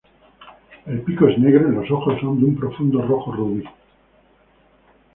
El pico es negro y los ojos son de un profundo rojo rubí.